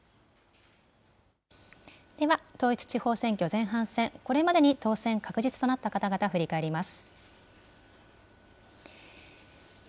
では、統一地方選挙、前半戦、これまでに当選確実となった方々、振り返ります。